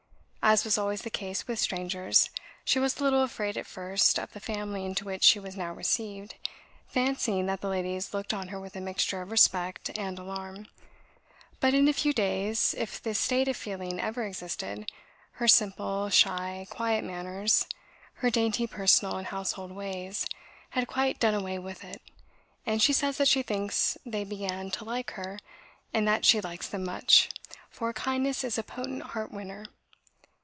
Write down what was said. As was always the case with strangers, she was a little afraid at first of the family into which she was now received, fancying that the ladies looked on her with a mixture of respect and alarm; but in a few days, if this state of feeling ever existed, her simple, shy, quiet manners, her dainty personal and household ways, had quite done away with it, and she says that she thinks they begin to like her, and that she likes them much, for "kindness is a potent heart winner."